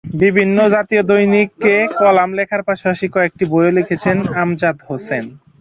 বিভিন্ন জাতীয় দৈনিকে কলাম লেখার পাশাপাশি কয়েকটি বইও লিখেছেন আমজাদ হোসেন।